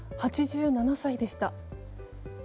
８７歳でした。